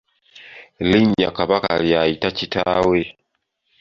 Linnya Kabaka ly’ayita kitaawe.